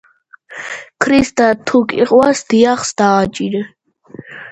ამ პროექტების ძირითადი დანიშნულება იყო მოხოროვიჩიჩის ზედაპირის გამოკვლევა.